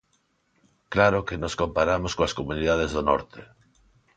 ¡Claro que nos comparamos coas comunidades do norte!